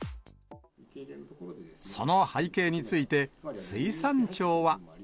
その背景について、水産庁は。